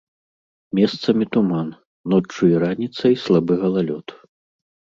Месцамі туман, ноччу і раніцай слабы галалёд.